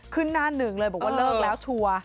หน้าหนึ่งเลยบอกว่าเลิกแล้วชัวร์